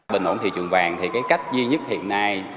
bình ổn thị trường vàng thì cái cách duy nhất hiện nay